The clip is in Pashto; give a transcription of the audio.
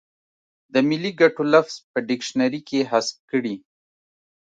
د ملي ګټو لفظ په ډکشنري کې حذف کړي.